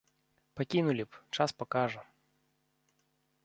Пакінулі б, час пакажа.